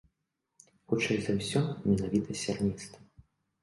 Хутчэй за ўсё, менавіта сярністы.